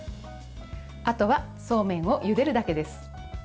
あとはそうめんをゆでるだけです。